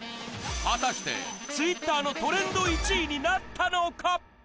果たしてツイッターのトレンド１位になったのか。